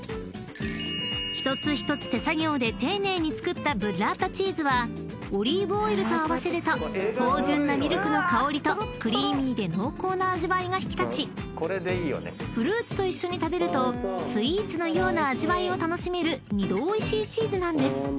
［一つ一つ手作業で丁寧に作ったブッラータチーズはオリーブオイルと合わせると芳醇なミルクの香りとクリーミーで濃厚な味わいが引き立ちフルーツと一緒に食べるとスイーツのような味わいを楽しめる二度おいしいチーズなんです］